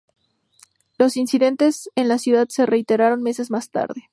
Los incidentes en la ciudad se reiteraron meses más tarde.